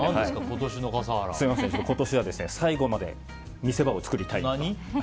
今年は最後まで見せ場を作りたいと。